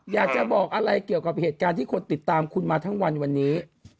อยากจะบอกอะไรเกี่ยวกับเหตุการณ์ที่คนติดตามคุณมาทั้งวันวันนี้